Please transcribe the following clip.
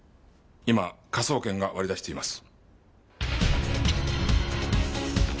今科捜研が割り出しています。